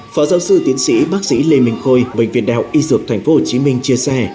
phở giáo sư tiến sĩ bác sĩ lê minh khôi bệnh viện đạo y dược tp hcm chia sẻ